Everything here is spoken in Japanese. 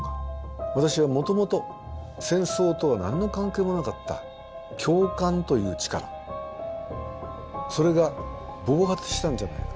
私はもともと戦争とは何の関係もなかった共感という力それが暴発したんじゃないか。